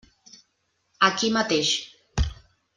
Aquí mateix.